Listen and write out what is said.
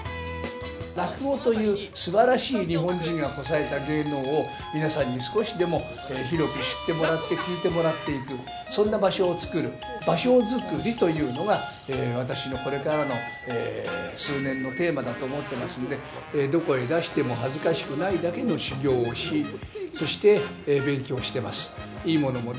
落語というすばらしい日本人がこさえた芸能を、皆さんに少しでも広く知ってもらって、聞いてもらっていく、そんな場所を作る、場所作りというのが私のこれからの数年のテーマだと思ってますので、どこへ出しても恥ずかしくないだけの修業をし、そして勉強してます。